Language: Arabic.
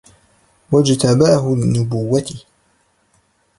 وَاجْتَبَاهُ لِنُبُوَّتِهِ